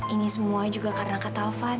ini semua juga karena kak taufan